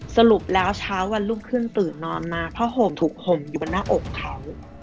สรุปแล้วเช้าวันรุ่งขึ้นตื่นนอนมาผ้าห่มถูกห่มอยู่บนหน้าอกเขา